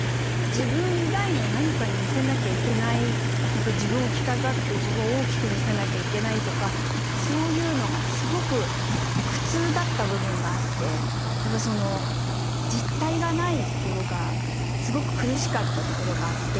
自分以外の何かに見せなきゃいけない自分を着飾って自分を大きく見せなきゃいけないとかそういうのがすごく苦痛だった部分があって実態がないところがすごく苦しかったところがあって。